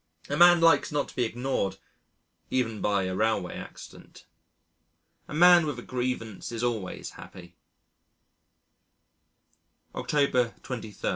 A man likes not to be ignored even by a railway accident. A man with a grievance is always happy. October 23.